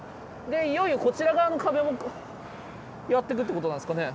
でいよいよこちら側の壁もやってくってことなんですかね。